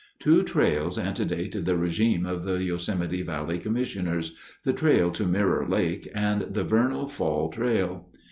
Two trails antedate the regime of the Yosemite Valley Commissioners—the trail to Mirror Lake and the Vernal Fall Trail.